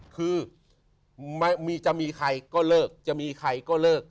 คือจะมีใครก็เลิกจะมีใครก็เลิก